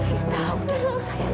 vita udah sayang